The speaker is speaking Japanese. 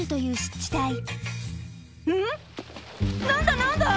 何だ何だ！